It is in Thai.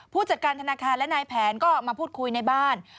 ผู้จัดการธนาคารและนายแผนก็มาพูดคุยในบ้าน